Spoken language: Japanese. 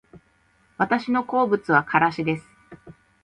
私の好物はからしです